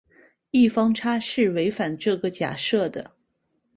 异方差是违反这个假设的。